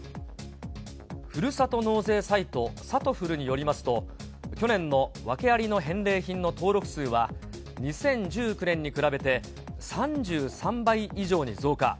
ふるさと納税サイト、さとふるによりますと、去年の訳ありの返礼品の登録数は、２０１９年に比べて３３倍以上に増加。